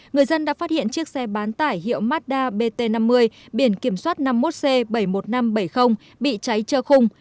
người dân đã phát hiện chiếc xe bán tải hiệu mazda bt năm mươi biển kiểm soát năm mươi một c bảy mươi một nghìn năm trăm bảy mươi bị cháy trơ khung